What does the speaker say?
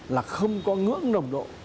là không có ngưỡng nồng độ